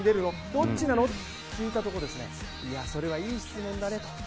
どっちなの？と聞いたところいや、それはいい質問だねと。